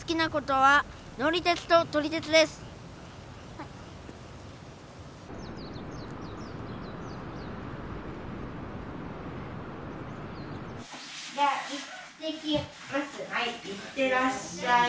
はい行ってらっしゃい。